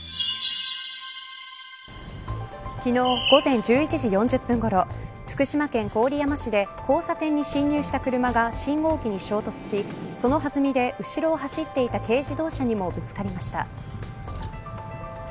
昨日午前１１時４０分ごろ福島県、郡山市で交差点に進入した車が信号機に衝突しそのはずみで、後ろを走っていた軽自動車にもぶつかりました。